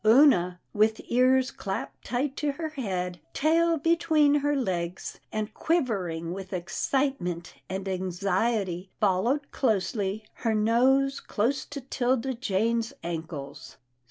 Oonah with ears clapped tight to her head, tail between her legs, and quivering with excitement and 290 'TILDA JANE'S ORPHANS anxiety, followed closely, her nose close to 'Tilda Jane's ankles.